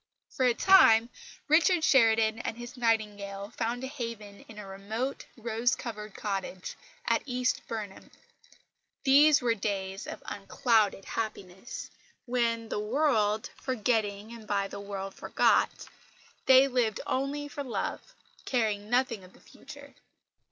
For a time Richard Sheridan and his Nightingale found a haven in a remote, rose covered cottage at East Burnham. These were days of unclouded happiness, when, the "world forgetting and by the world forgot," they lived only for love, caring nothing of the future.